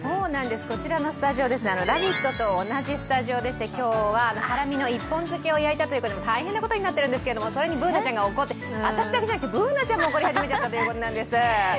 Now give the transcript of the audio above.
こちらのスタジオ、「ラヴィット！」と同じスタジオでして今日はハラミの１本漬けを焼いたということで大変なことになっているんですけど、それにＢｏｏｎａちゃんも怒って、私だけじゃなくて、Ｂｏｏｎａちゃんも怒り始めちゃったということなんです。